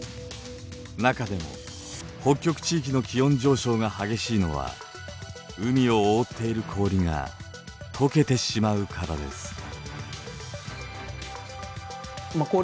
中でも北極地域の気温上昇が激しいのは海を覆っている氷が解けてしまうからです。